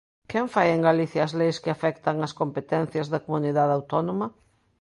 ¿Quen fai en Galicia as leis que afectan as competencias da Comunidade Autónoma?